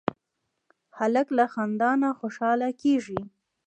هلک له خندا نه خوشحاله کېږي.